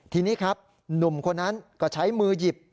ทีนี้ครับหนุ่มคนนั้นก็ใช้มือหยิบ